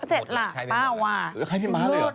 เหลือ๗ล้าน